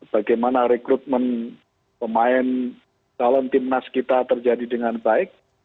bagaimana rekrutmen pemain dalam tim nas kita terjadi dengan baik